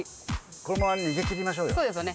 このまま逃げ切りましょうよ。